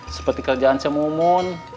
seperti kerjaan semumun